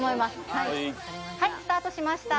はいスタートしました